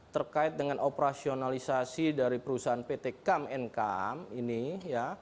terkait dengan operasionalisasi dari perusahaan pt come and come ini ya